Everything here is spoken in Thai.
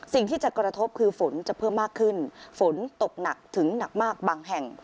สิ่งที่จะกระทบคือฝนจะเพิ่มมากขึ้นฝนตกหนักถึงหนักมากบางแห่ง